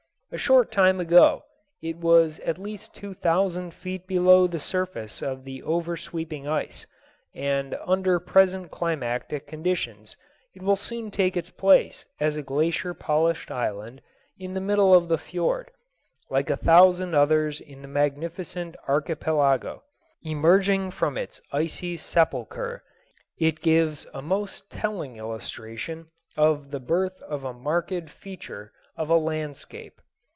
A short time ago it was at least two thousand feet below the surface of the over sweeping ice; and under present climatic conditions it will soon take its place as a glacier polished island in the middle of the fiord, like a thousand others in the magnificent archipelago. Emerging from its icy sepulchre, it gives a most telling illustration of the birth of a marked feature of a landscape.